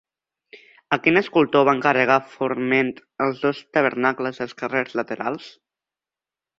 A quin escultor va encarregar Forment els dos tabernacles dels carrers laterals?